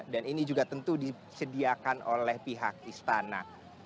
dan ini juga tentu disediakan oleh pihak istana